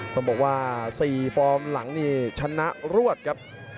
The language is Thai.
ต้องบอกว่า๔ฟอร์มหลังนี่ชนะรวดครับ